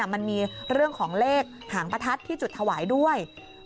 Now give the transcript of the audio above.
มันมีเรื่องของเลขหางประทัดที่จุดถวายด้วย